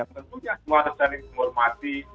tentunya semua tercari menghormati